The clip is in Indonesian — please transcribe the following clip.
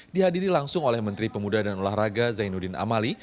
dihadiri langsung oleh menteri pemuda dan olahraga zainuddin amali